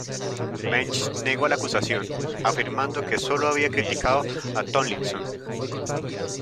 Mensch negó la acusación, afirmando que sólo había criticado a Tomlinson.